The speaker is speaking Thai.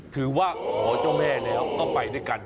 ถือว่าหอเจ้าแม่แล้วก็ไปด้วยกัน